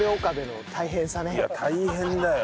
いや大変だよ。